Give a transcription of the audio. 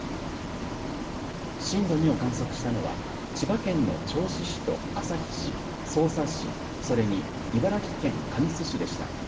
震度２を観測したのは千葉県の銚子市と旭市、匝瑳市、それに茨城県神栖市でした。